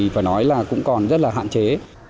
phải nói là cũng còn rất là hạn chế